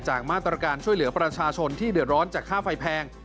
มาตรการช่วยเหลือประชาชนที่เดือดร้อนจากค่าไฟแพง